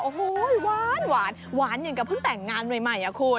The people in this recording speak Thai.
โอ้โหยหวานหวานเหมือนกับพึ่งแต่งงานใหม่อ่ะคุณ